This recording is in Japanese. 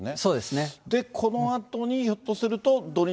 このあとにひょっとすると土日、